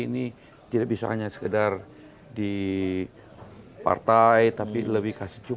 ini tidak bisa hanya sekedar di partai tapi lebih kasih juga